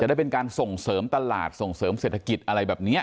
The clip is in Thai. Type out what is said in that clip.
ได้เป็นการส่งเสริมตลาดส่งเสริมเศรษฐกิจอะไรแบบนี้